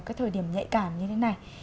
cái thời điểm nhạy cảm như thế này